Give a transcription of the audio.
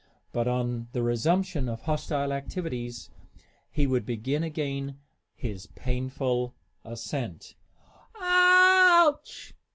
But on the resumption of active hostilities, he would begin again his painful ascent.